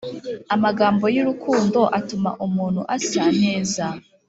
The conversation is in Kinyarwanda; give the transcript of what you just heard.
amagambo y’urukundo atuma umuntu asa neza